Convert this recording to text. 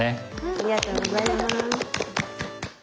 ありがとうございます。